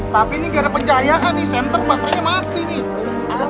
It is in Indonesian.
tapi ini gara pencahayaan di center baterainya mati nih